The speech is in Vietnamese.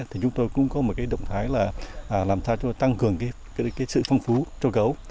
thì chúng tôi cũng có một cái động thái là làm sao cho tăng cường cái sự phong phú cho gấu